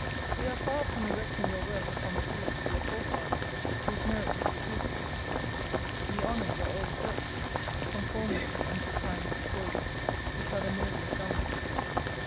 We are far from erecting your worth upon the pillars of your forefathers, whose merits you illustrate. We honour your old virtues, conformable unto times before you, which are the noblest armoury.